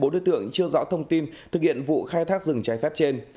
bốn đối tượng chưa rõ thông tin thực hiện vụ khai thác rừng trái phép trên